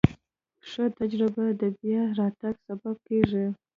ښه تجربه د بیا راتګ سبب کېږي.